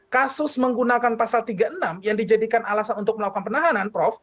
kasus menggunakan pasal tiga puluh enam yang dijadikan alasan untuk melakukan penahanan prof